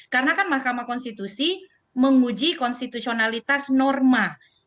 karena kan mahkamah konstitusi menguji konstitusionalitas norma